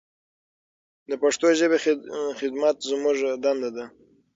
د پښتو ژبې خدمت زموږ دنده ده.